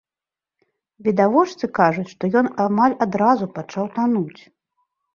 Відавочцы кажуць, што ён амаль адразу пачаў тануць.